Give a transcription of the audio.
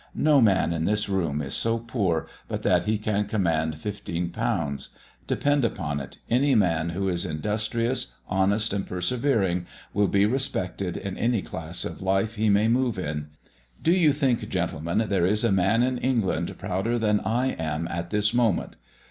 No man in this room is so poor but that he can command 15_l._ Depend upon it, any man who is industrious, honest, and persevering, will be respected in any class of life he may move in. Do you, think, gentlemen, there is a man in England prouder than I am at this moment?